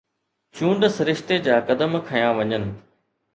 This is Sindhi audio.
چونڊ سرشتي جا قدم کنيا وڃن